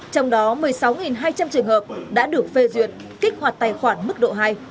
trong đó một mươi sáu hai trăm linh trường hợp đã được phê duyệt kích hoạt tài khoản mức độ hai